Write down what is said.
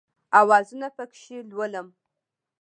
اوازونه پکښې لولم